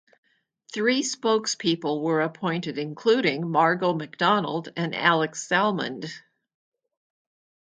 Three spokespeople were appointed, including Margo MacDonald and Alex Salmond.